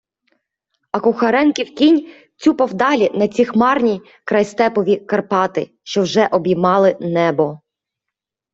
А Кухаренків кінь тюпав далі на ті хмарні крайстепові Карпати, що вже обіймали небо.